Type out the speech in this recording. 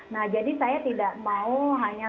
nah jadi saya tidak mau hanya